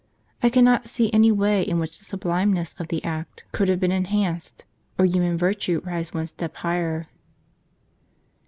I cannot see any way in which the sub limeness of the act could have been enhanced, or human virtue rise one step higher."